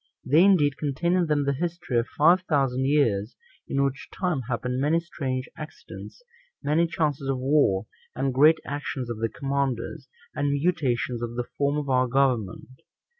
They, indeed, contain in them the history of five thousand years; in which time happened many strange accidents, many chances of war, and great actions of the commanders, and mutations of the form of our government.